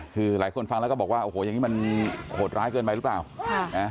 คือหลายคนฟังแล้วก็บอกว่าโอ้โหอย่างนี้มันโหดร้ายเกินไปหรือเปล่า